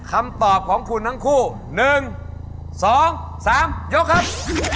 คำตอบของคุณทั้งคู่๑๒๓ยกครับ